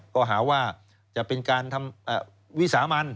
ก็หาว่าจะเป็นการทำวิสามัน